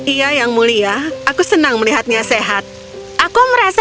iya yang mulia aku senang melihatnya sehat aku senang melihatnya sehat